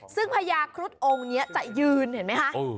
ซึ่งพญาครุฑองค์นี้จะยืนเห็นไหมคะ